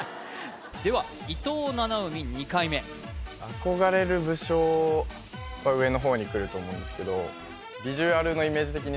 では伊藤七海２回目憧れる武将は上の方にくると思うんですけどえっ